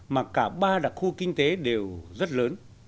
mà cả ba đặc khu kinh tế đều rất lớn